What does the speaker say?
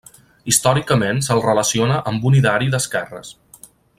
Històricament se'l relaciona amb un ideari d'esquerres.